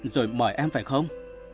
rồi mời em phải không